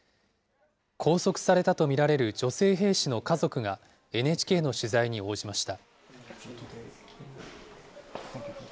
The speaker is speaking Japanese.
拘束されたと見られる女性兵士の家族が、ＮＨＫの取材に応じました。